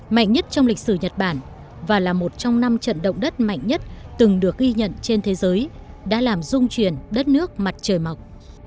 mạnh nhất trong lịch sử nhật bản và là một trong năm trận động đất mạnh nhất từng được ghi nhận trên thế giới đã làm dung truyền đất nước mặt trời mọc